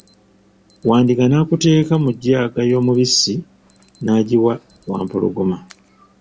Wandiga nakuteeka mu jjaaga y'omubisi n'agiwa Wampologoma.